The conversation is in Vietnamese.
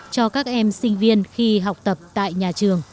cho các em sinh viên khi học tập tại nhà trường